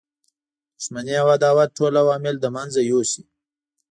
دښمنی او عداوت ټول عوامل له منځه یوسي.